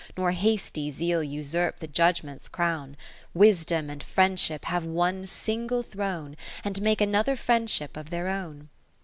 Nor hasty Zeal usurp the judgement's crown. Wisdom and Friendship have one single throne. And make another friendship of their own.